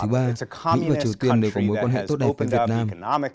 thứ ba mỹ và triều tiên đều có mối quan hệ tốt đẹp với việt nam